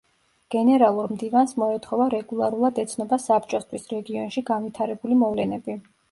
გენერალურ მდივანს მოეთხოვა რეგულარულად ეცნობა საბჭოსთვის, რეგიონში განვითარებული მოვლენები.